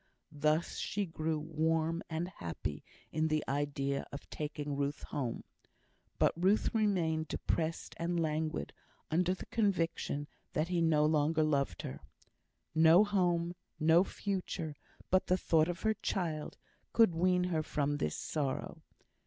Thus she grew warm and happy in the idea of taking Ruth home; but Ruth remained depressed and languid under the conviction that he no longer loved her. No home, no future, but the thought of her child, could wean her from this sorrow.